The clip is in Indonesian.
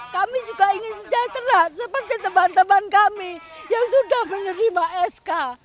kami juga ingin sejahtera seperti teman teman kami yang sudah menerima sk